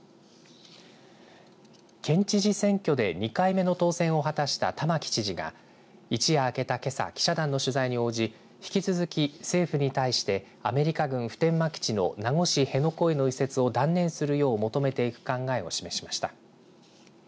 県知事選挙で２回目の当選を果たした玉城知事が一夜明けたけさ記者団の取材に応じ引き続き政府に対してアメリカ軍普天間基地の名護市辺野古への移設を断念するよう求めていく考えを示しました。